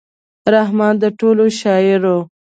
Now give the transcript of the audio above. رحمان د ټولو شاعر و.